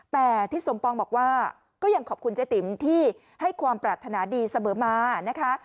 แต่ทิศสมปองบอกว่าก็ยังขอบคุณเจ๊ติ๋มที่ให้ความปรารถนาดีเสมอมานะคะ